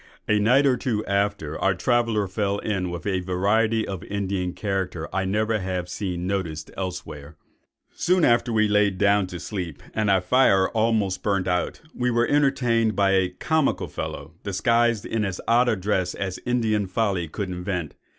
A night or two after, our traveller fell in with a variety of Indian character I never have seen noticed elsewhere:— "Soon after we were laid down to sleep, and our fire almost burnt out, we were entertained by a comical fellow, disguised in as odd a dress as Indian folly could invent.